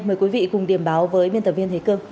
mời quý vị cùng điểm báo với biên tập viên thế cương